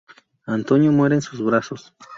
Antonio muere en sus brazos.